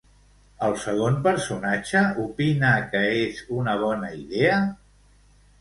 El segon personatge opina que és una bona idea?